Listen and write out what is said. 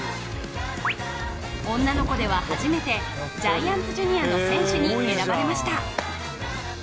女の子では初めてジャイアンツジュニアの選手に選ばれました。